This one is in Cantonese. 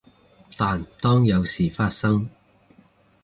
但當有事發生